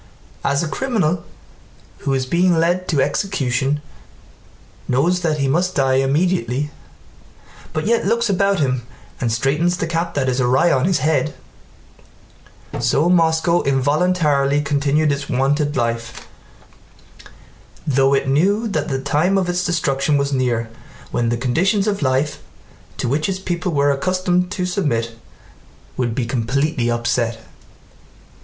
As a criminal who is being led to execution knows that he must die immediately, but yet looks about him and straightens the cap that is awry on his head, so Moscow involuntarily continued its wonted life, though it knew that the time of its destruction was near when the conditions of life to which its people were accustomed to submit would be completely upset.